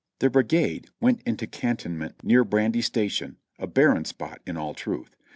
The brigade went into cantonment near Brandy Station, a bar ren spot in all truth.